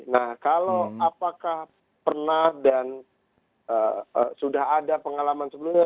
nah kalau apakah pernah dan sudah ada pengalaman sebelumnya